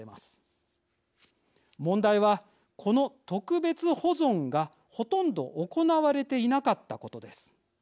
問題はこの特別保存がほとんど行われていなかったことです。